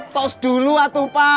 tos dulu atuh pak